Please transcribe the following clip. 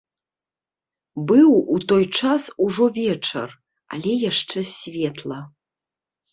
Быў у той час ужо вечар, але яшчэ светла.